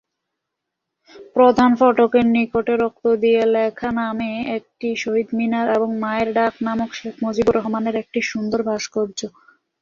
প্রধান ফটকের নিকটে ‘‘রক্ত দিয়ে লেখা’’ নামে একটি শহীদ মিনার, এবং "মায়ের ডাক" নামক শেখ মুজিবুর রহমানের একটি সুন্দর ভাস্কর্য।